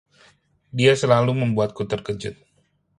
Dia selalu membuatku terkejut.